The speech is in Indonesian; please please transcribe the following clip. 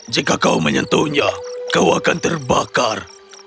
jika kau menyentuhnya kau akan terbakar